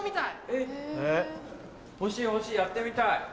え欲しい欲しいやってみたい。